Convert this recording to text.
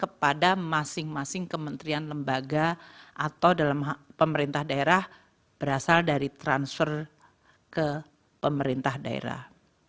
kepada masing masing kementerian lembaga atau dalam pemerintah daerah berasal dari transfer ke pemerintah daerah